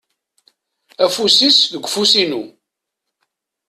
Afus-is deg ufus-inu.